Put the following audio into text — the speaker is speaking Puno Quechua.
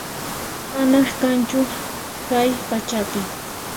Imaraq mana kanchu kay pachapi